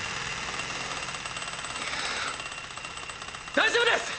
大丈夫です。